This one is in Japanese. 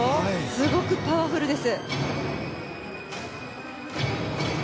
すごくパワフルです。